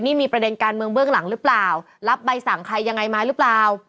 นี่มีประเด็นการเมืองเบื้องหลังหรือเปล่ารับใบสั่งใครยังไงมาหรือเปล่า